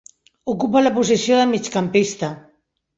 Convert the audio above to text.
Ocupa la posició de migcampista.